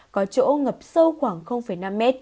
có chỗ ngập sâu khoảng năm m